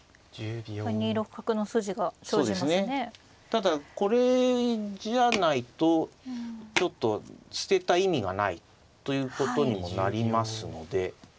ただこれじゃないとちょっと捨てた意味がないということにもなりますので。